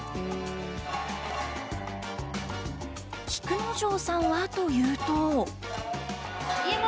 菊之丞さんはというと。